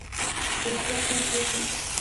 چې اوس ګډ ژوند سره کوي.